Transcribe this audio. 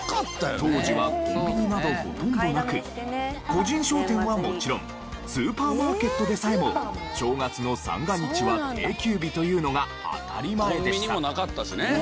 当時はコンビニなどほとんどなく個人商店はもちろんスーパーマーケットでさえも正月の三が日は定休日というのが当たり前でした。